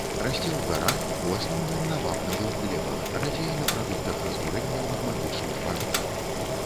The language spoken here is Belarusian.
Расце ў гарах, у асноўным на вапнавых глебах, радзей на прадуктах разбурэння магматычных парод.